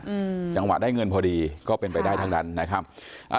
อืมจังหวะได้เงินพอดีก็เป็นไปได้ทั้งนั้นนะครับอ่า